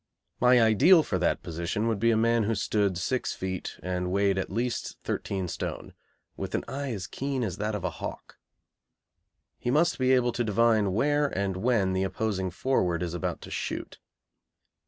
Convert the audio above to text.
My ideal for that position would be a man who stood six feet and weighed at least thirteen stone, with an eye as keen as that of a hawk. He must be able to divine where and when the opposing forward is about to shoot.